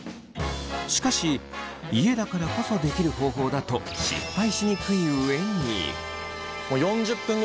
しかし家だからこそできる方法だと失敗しにくい上に。